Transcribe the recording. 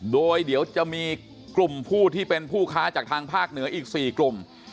โดยเดี๋ยวจะมีกลุ่มผู้ที่เป็นผู้ค้าจากทางภาคเหนืออีก๔กลุ่ม